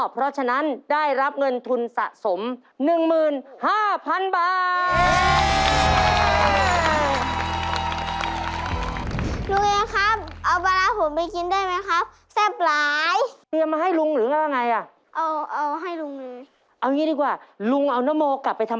เพราะฉะนั้นได้รับเงินทุนสะสม๑๕๐๐๐บาท